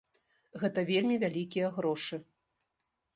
Гэта вельмі вялікія грошы.